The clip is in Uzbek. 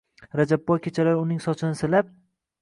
Rajabboy kechalari uning sochini silab: